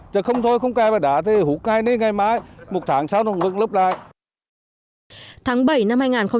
chứ không thôi không kè bơi đá thì hút ngay này ngay mai một tháng sau nó ngừng lấp lại